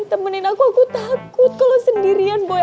temenin aku aku takut kalau sendirian